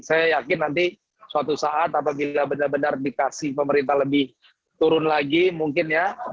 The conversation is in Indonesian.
saya yakin nanti suatu saat apabila benar benar dikasih pemerintah lebih turun lagi mungkin ya